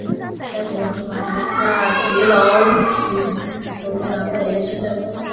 大城堡是马来西亚吉隆坡首都南部的一个市镇。